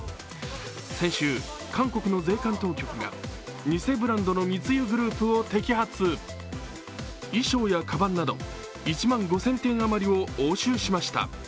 先週、韓国の税関当局が偽ブランドの密輸グループを摘発衣装やかばんなど１万５０００点あまりを押収しました。